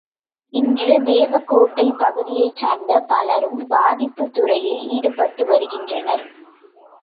இன்று தேவகோட்டை பகுதியைச்சார்ந்த பலரும் பதிப்புத் துறையில் ஈடுபட்டு வருகின்றனர்.